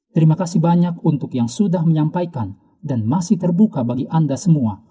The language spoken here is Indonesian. terima kasih banyak untuk yang sudah menyampaikan dan masih terbuka bagi anda semua